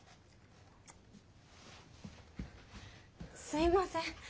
すいません。